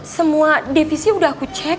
semua devisi sudah aku cek